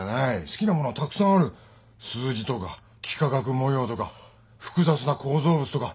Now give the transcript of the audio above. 好きなものはたくさんある数字とか幾何学模様とか複雑な構造物とか。